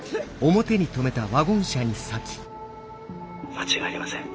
「間違いありません。